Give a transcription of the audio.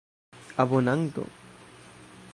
abonanto